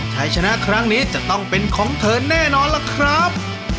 ใช้ชนะครั้งนี้จะต้องเป็นของเธอแน่นอนล่ะครับ